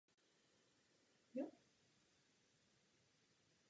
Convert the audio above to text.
Ta původně v případě zamítnutí uvažovala o kandidatuře pod hlavičkou jiné politické strany.